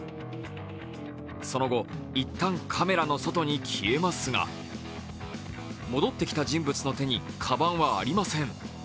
その後、一旦カメラの外に消えますが戻ってきた人物の手にかばんはありません。